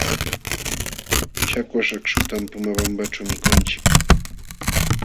Chakwaśh akśhutam Pomabambaćhu mikunchik.